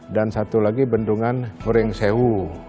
dan satu lagi bendungan mereng sewu